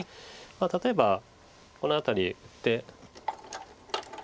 例えばこの辺り打って。